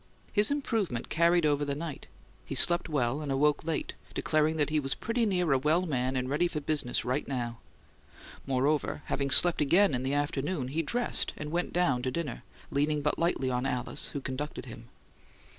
His improvement carried over the night: he slept well and awoke late, declaring that he was "pretty near a well man and ready for business right now." Moreover, having slept again in the afternoon, he dressed and went down to dinner, leaning but lightly on Alice, who conducted him.